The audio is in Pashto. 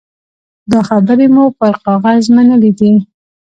دا خبرې مو پر کاغذ منلي دي.